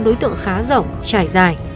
đối tượng khá rộng trải dài